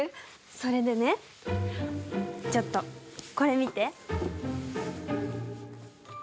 それでねちょっとこれ見て。